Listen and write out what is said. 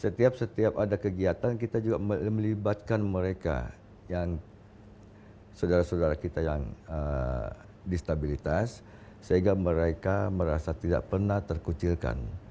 setiap setiap ada kegiatan kita juga melibatkan mereka yang saudara saudara kita yang distabilitas sehingga mereka merasa tidak pernah terkucilkan